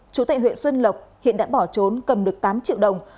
chú tại huyện xuân lộc hiện đã bỏ trốn cầm được tám triệu đồng